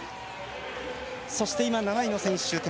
そして今、７位の選手